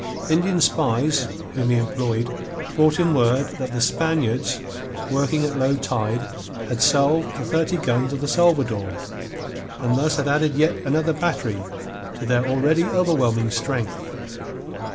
Indian spies whom he employed brought him word that the Spaniards, working at low tide, had salved the thirty guns of the Salvador, and thus had added yet another battery to their already overwhelming strength.